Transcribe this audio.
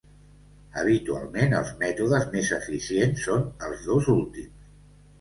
Habitualment els mètodes més eficients són els dos últims.